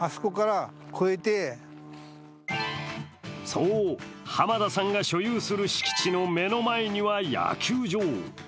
そう、濱田さんが所有する敷地の目の前には野球場。